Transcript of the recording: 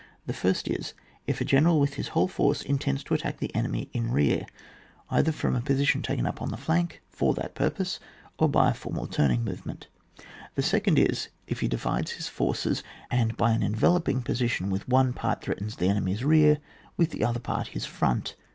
The first is, if a general with his whole force intends to attack the enemy in rear, either from a position taken up on the flank for that purpose, or by a formal turning movement ; the second is, if he divides his forces, and, by an enveloping position with one part, threatens the enemy's rear, with the other part his front.